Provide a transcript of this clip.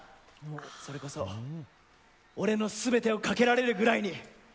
それこそ俺の全てをかけられるぐらいに！